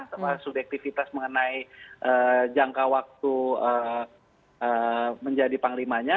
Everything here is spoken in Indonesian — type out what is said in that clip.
sama subjektifitas mengenai jangka waktu menjadi panglimanya